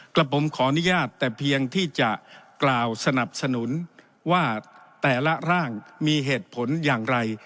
กับผมขออนุญาตแต่เพียงที่จะกล่าวสนับสนุนว่าแต่ละร่างมีเหตุผลอย่างไร